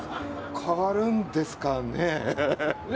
変わるんですかね？